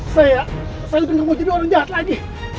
saya saya lebih mau jadi orang jahat lagi